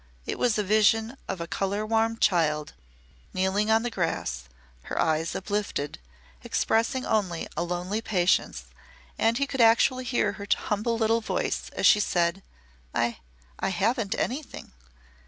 It was a vision of a colour warm child kneeling on the grass, her eyes uplifted, expressing only a lonely patience, and he could actually hear her humble little voice as she said: "I I haven't anything."